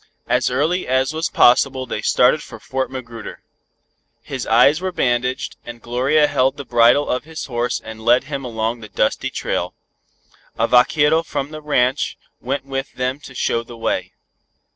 As early as was possible they started for Fort Magruder. His eyes were bandaged, and Gloria held the bridle of his horse and led him along the dusty trail. A vaquero from the ranch went with them to show the way.